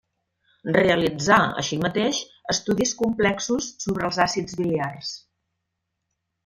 Realitzà, així mateix, estudis complexos sobre els àcids biliars.